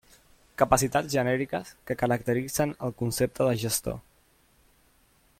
Capacitats genèriques que caracteritzen el concepte de gestor.